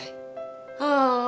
ああ！